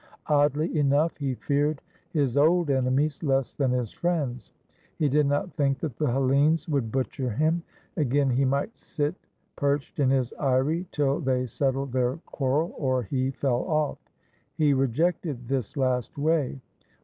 Oddly enough he feared his old enemies less than his friends. He did not think that the Hellenes would butcher him. Again, he might sit perched in his eyrie till they settled their quarrel or he fell off. He rejected this last way.